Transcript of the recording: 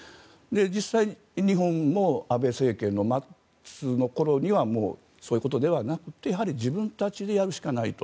実際日本も安倍政権の末の頃にはもう、そういうことではなくてやはり自分たちでやるしかないと。